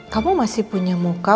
kamu masih punya muka